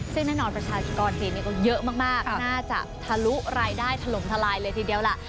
ซึ่งแน่นอนประชากรจีนก็เยอะมากน่าจะทะลุรายได้ถล่มทลายเลยทีเดียวล่ะ